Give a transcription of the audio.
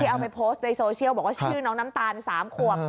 เอาไปโพสต์ในโซเชียลบอกว่าชื่อน้องน้ำตาล๓ขวบ